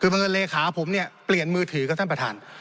คือบังเอิญเลขาผมเนี่ยเปลี่ยนมือถือครับท่านประธาน